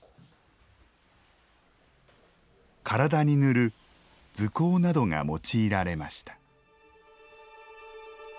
体に塗る「塗香」などが用いられました。